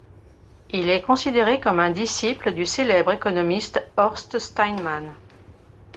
Il est considéré comme un disciple du célèbre économiste Horst Steinmann.